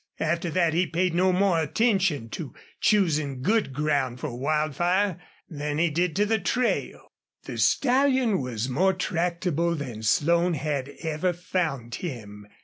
After that he paid no more attention to choosing good ground for Wildfire than he did to the trail. The stallion was more tractable than Slone had ever found him.